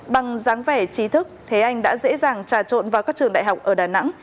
bằng dáng vẻ trí thức thế anh đã dễ dàng trà trộn vào các trường đại học ở đà nẵng